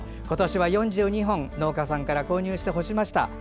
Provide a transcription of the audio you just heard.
今年は４２本農家さんから購入して干しました。